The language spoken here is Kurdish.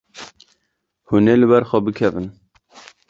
Hûn ê li ber xwe bikevin.